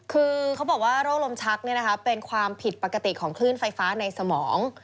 คือเขาบอกว่าโรคลมชักเป็นความผิดปกติของคลื่นไฟฟ้าในสมอง